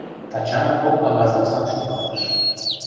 Тачана кок кагаз оксам шуялтыш.